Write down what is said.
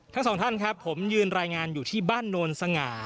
ทั้งสองท่านครับผมยืนรายงานอยู่ที่บ้านโนนสง่า